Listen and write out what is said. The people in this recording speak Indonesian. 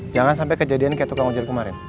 jangan sampe kejadian kayak tukang hujan kemarin